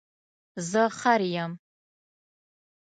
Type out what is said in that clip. زه خر یم